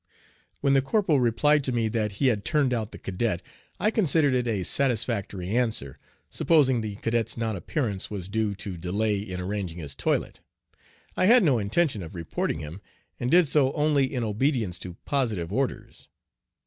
When the corporal replied to me that he had turned out the cadet, I considered it a satisfactory answer, supposing the cadet's non appearance was due to delay in arranging his toilet. I had no intention of reporting him, and did so only in obedience to positive orders.